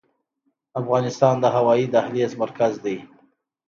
افغانستان د هوایي دهلیز مرکز دی؟